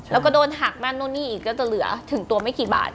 เราก็โดนหักนั้นนู้นก็จะเหลือถึงตัวไม่กี่บาท